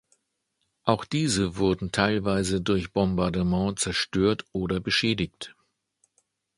Auch diese wurden teilweise durch Bombardement zerstört oder beschädigt.